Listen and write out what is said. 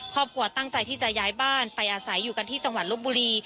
ครอบครัวตั้งใจที่จะย้ายบ้านไปอาศัยอยู่กันที่จังหวัดลบบุรี